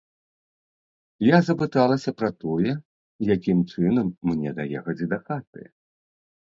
Я запыталася пра тое, якім чынам мне даехаць дахаты?